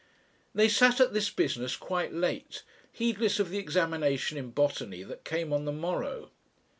They sat at this business quite late, heedless of the examination in botany that came on the morrow.